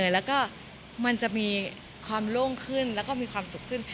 แล้วก็มันจะมีความโล่งขึ้นแล้วก็มีความสุขขึ้น